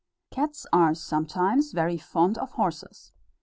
Cats are sometimes very fond of horses.